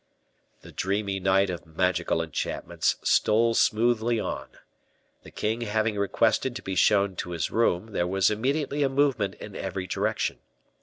The dreamy night of magical enchantments stole smoothly on. The king having requested to be shown to his room, there was immediately a movement in every direction.